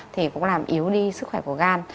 thì cũng làm yếu đi sức khỏe của gan